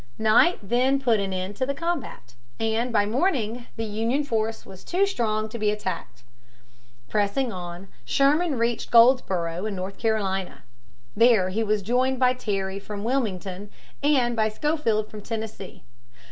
Night then put an end to the combat, and by morning the Union force was too strong to be attacked. Pressing on, Sherman reached Goldsboro' in North Carolina. There he was joined by Terry from Wilmington and by Schofield from Tennessee.